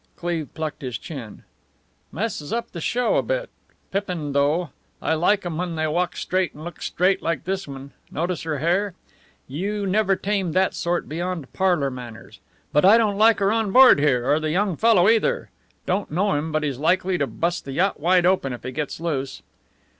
Cleve plucked at his chin. "Messes up the show a bit. Pippin, though. I like 'em when they walk straight and look straight like this one. Notice her hair? You never tame that sort beyond parlour manners. But I don't like her on board here, or the young fellow, either. Don't know him, but he's likely to bust the yacht wide open if he gets loose."